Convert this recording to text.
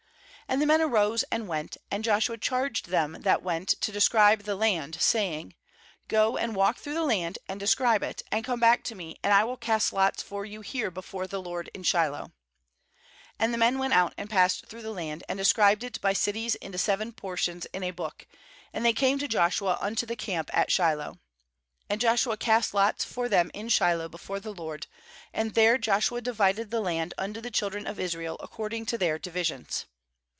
8And the men arose, and went; and Joshua charged them ^that went to describe the land, saying: 'Go and walk through the land, and describe it, and come back to me, and I will cast lots for you here before the LORD in Shiloh/ 9And the men went and passed through the land, and described it by cities into seven portions in a book, and they came to Joshua unto the camp at Shiloh. 10And Joshua cast lots for them in Shiloh before the LORD; and there Joshua divided the land unto the children of Israel ac cording to their divisions.